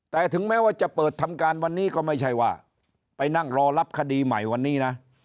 แต่ถึงแม้ว่าจะเปิดทำการวันนี้ก็ไม่ใช่ว่าไปนั่งรอรับคดีใหม่วันนี้นะ